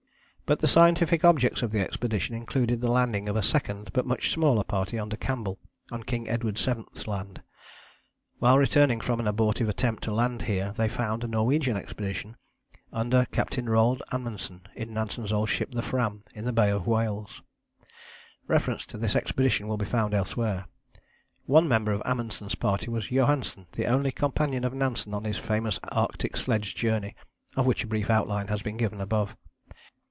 But the scientific objects of the expedition included the landing of a second but much smaller party under Campbell on King Edward VII.'s Land. While returning from an abortive attempt to land here they found a Norwegian expedition under Captain Roald Amundsen in Nansen's old ship the Fram in the Bay of Whales: reference to this expedition will be found elsewhere. One member of Amundsen's party was Johansen, the only companion of Nansen on his famous Arctic sledge journey, of which a brief outline has been given above.